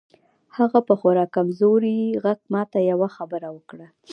هغه په خورا کمزوري غږ ماته یوه خبره وکړه